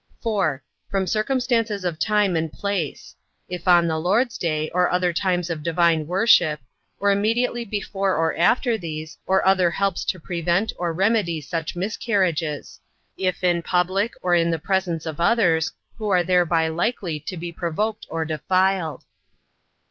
4. From circumstances of time, and place: if on the Lord's day, or other times of divine worship; or immediately before or after these, or other helps to prevent or remedy such miscarriages: if in public, or in the presence of others, who are thereby likely to be provoked or defiled.